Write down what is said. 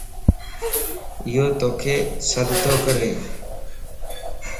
ايو توک سڏتو ڪري